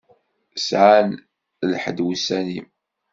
Sɛan lḥedd wussan-im.